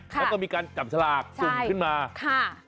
แล้วก็มีการจับฉลากสุ่มขึ้นมาค่ะ